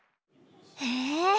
へえ。